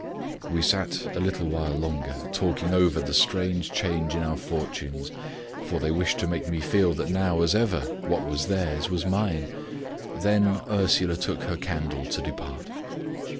We sat a little while longer, talking over the strange change in our fortunes for they wished to make me feel that now, as ever, what was theirs was mine; then Ursula took her candle to depart.